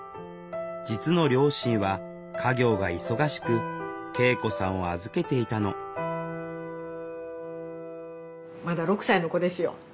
実の両親は家業が忙しく圭永子さんを預けていたのまだ６歳の子ですよ。